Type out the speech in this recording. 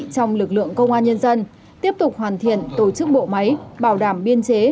trong lực lượng công an nhân dân tiếp tục hoàn thiện tổ chức bộ máy bảo đảm biên chế